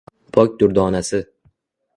Pok durdonasi